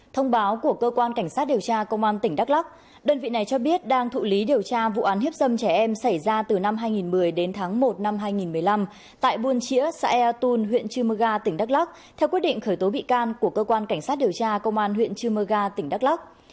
thông báo của cơ quan cảnh sát điều tra công an tỉnh đắk lắc đơn vị này cho biết đang thụ lý điều tra vụ án hiếp dâm trẻ em xảy ra từ năm hai nghìn một mươi đến tháng một năm hai nghìn một mươi năm tại buôn chĩa xã ea tôn huyện trư mơ ga tỉnh đắk lắc theo quyết định khởi tố bị can của cơ quan cảnh sát điều tra công an huyện chư mơ ga tỉnh đắk lắc